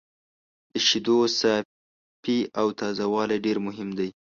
د شیدو صافي او تازه والی ډېر مهم دی.